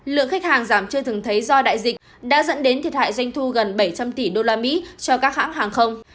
lượng khách hàng giảm chưa từng thấy do đại dịch đã dẫn đến thiệt hại doanh thu gần bảy trăm linh tỷ usd cho các hãng hàng không